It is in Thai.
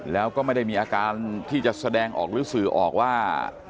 แล้วก็ไม่ได้มีอาการที่จะแสดงออกหรือสื่อออกว่า